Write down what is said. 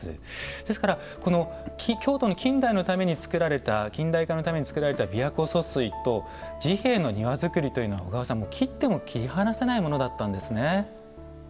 ですから、京都の近代のために造られた近代化のために造られた琵琶湖疏水と治兵衛の庭造りというのは小川さん切っても切り離せないものだったんですね。